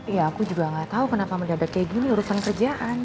ya aku juga gak tahu kenapa mendadak kayak gini urusan kerjaan